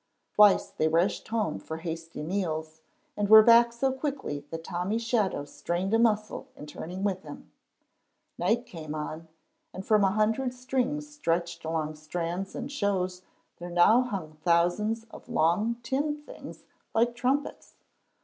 Twice they rushed home for hasty meals, and were back so quickly that Tommy's shadow strained a muscle in turning with him. Night came on, and from a hundred strings stretched along stands and shows there now hung thousands of long tin things like trumpets.